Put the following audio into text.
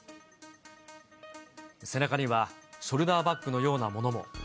背中にはショルダーバッグのようなものも。